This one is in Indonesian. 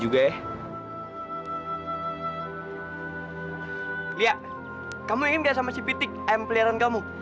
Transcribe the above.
gak mungkin ibu